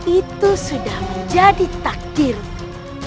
itu sudah menjadi takdirku